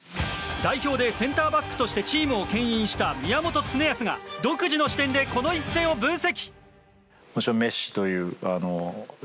代表でセンターバックとしてチームをけん引した宮本恒靖が独自の視点でこの一戦を分析。